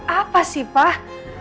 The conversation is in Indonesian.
apa sih pak